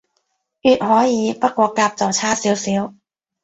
乙可以，不過甲就差少少